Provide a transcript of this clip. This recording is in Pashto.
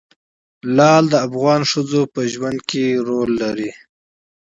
لعل د افغان ښځو په ژوند کې رول لري.